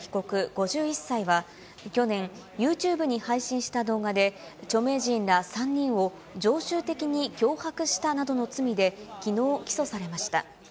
５１歳は去年、ユーチューブに配信した動画で、著名人ら３人を、常習的に脅迫したなどの罪で、きのう起訴されました。